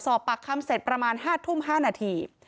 สอบปากคำเสร็จประมาณ๕ทุ่ม๕นาที